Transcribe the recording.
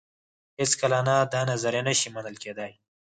هېڅکله نه دا نظریه نه شي منل کېدای.